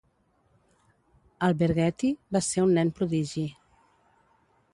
Alberghetti va ser un nen prodigi.